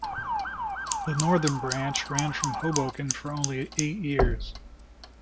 The Northern Branch ran from Hoboken for only eight years.